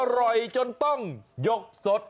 อร่อยจนต้องยกสด